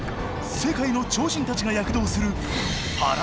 世界の超人たちが躍動する